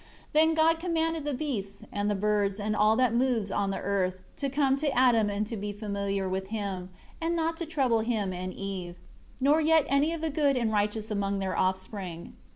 8 Then God commanded the beasts, and the birds, and all that moves on the earth, to come to Adam and to be familiar with him, and not to trouble him and Eve; nor yet any of the good and righteous among their offspring.